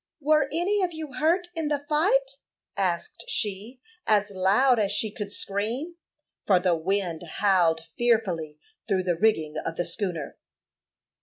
"Were any of you hurt in the fight?" asked she, as loud as she could scream, for the wind howled fearfully through the rigging of the schooner.